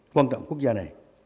quan trọng quốc gia